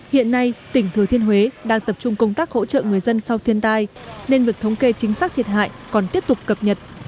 hiện nay tỉnh thừa thiên huế đang tập trung công tác hỗ trợ người dân sau thiên tai nên việc thống kê chính xác thiệt hại còn tiếp tục cập nhật